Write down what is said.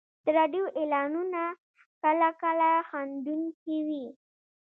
د راډیو اعلانونه کله کله خندونکي وي.